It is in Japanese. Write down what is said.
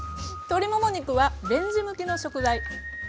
鶏もも肉はレンジ向きの食材。